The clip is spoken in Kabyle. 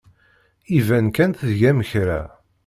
Iban kan tgam kra.